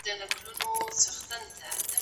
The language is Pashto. ایا ملي بڼوال چارمغز پروسس کوي؟